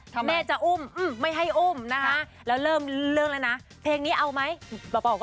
คำอย่างจะอุ้มไม่ให้อุ้มนะฮะแล้วเริ่มเเริ่งแล้วนะเพลงนี้เอาไหม